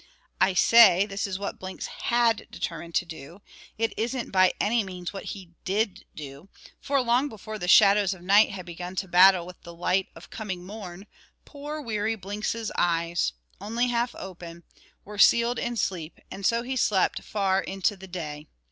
I say, this is what Blinks had determined to do; it isn't by any means what he did do, for long before the shadows of night had begun to battle with the light of coming morn, poor weary Blinks's eyes only half open were sealed in sleep, and so he slept far into the day.